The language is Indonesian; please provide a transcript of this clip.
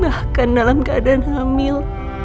bahkan dalam keadaan hamil